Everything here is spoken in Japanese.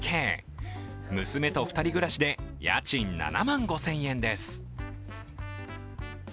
娘と２人暮らしで家賃７万５０００円です。